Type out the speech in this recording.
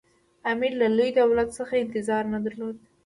امیر له لوی دولت څخه انتظار نه درلود.